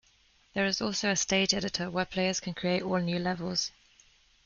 There is also a stage editor where players can create all new levels.